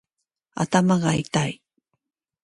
頭がいたい